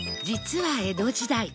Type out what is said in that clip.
実は江戸時代